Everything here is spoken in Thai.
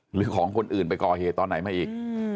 หรือของคนอื่นไปก่อเหตุตอนไหนมาอีก